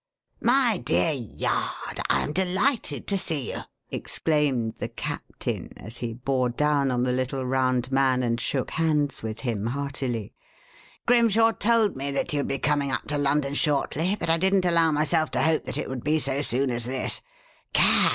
"My dear Yard; I am delighted to see you!" exclaimed the "captain" as he bore down on the little round man and shook hands with him heartily. "Grimshaw told me that you would be coming up to London shortly, but I didn't allow myself to hope that it would be so soon as this. Gad!